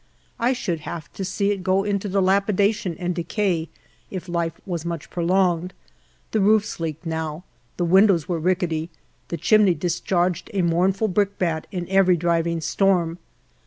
1 should have to see it go into dilapidation and decay, if life was much prolonged. The roofs leaked now, the windows were rickety, the chimney discharged a mourn ful brickbat in every driving storm.